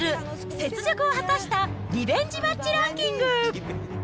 雪辱を果たしたリベンジマッチランキング。